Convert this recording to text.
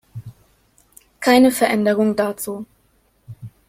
Keine Veränderung dazu.